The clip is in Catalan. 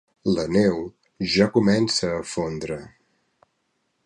La neu ja comença a fondre.